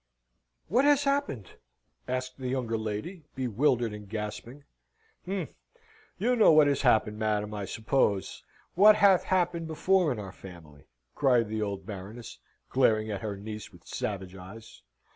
"What has happened?" asked the younger lady, bewildered and gasping. "H'm! You know best what has happened, madam, I suppose. What hath happened before in our family?" cried the old Baroness, glaring at her niece with savage eyes.